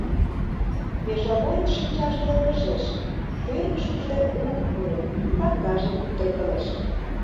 Межовойын шинчаже йылгыжеш, шӱргышкыжӧ лук пурен, саҥгаже куптыргылеш.